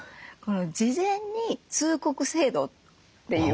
事前に通告制度っていうのを設けて。